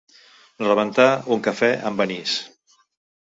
Rebentar un cafè amb anís.